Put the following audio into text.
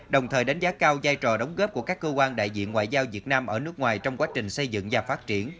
đồng thời đánh giá cao giai trò đóng góp của các cơ quan đại diện ngoại giao việt nam ở nước ngoài trong quá trình xây dựng và phát triển